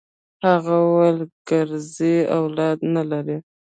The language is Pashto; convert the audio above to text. هغه وويل کرزى اولاد نه لري.